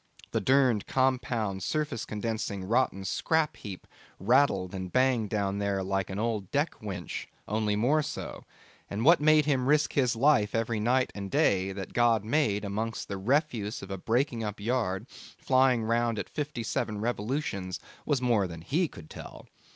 The durned, compound, surface condensing, rotten scrap heap rattled and banged down there like an old deck winch, only more so; and what made him risk his life every night and day that God made amongst the refuse of a breaking up yard flying round at fifty seven revolutions, was more than he could tell.